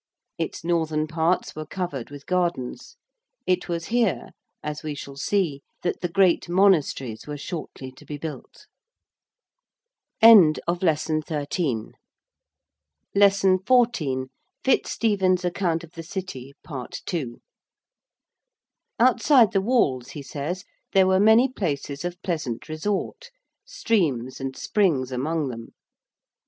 Its northern parts were covered with gardens. It was here, as we shall see, that the great monasteries were shortly to be built. [Illustration: LAY COSTUMES IN THE TWELFTH CENTURY.] 14. FITZSTEPHEN'S ACCOUNT OF THE CITY. PART II. Outside the walls, he says, there were many places of pleasant resort, streams and springs among them.